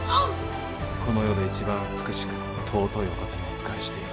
この世で一番美しく尊いお方にお仕えしている。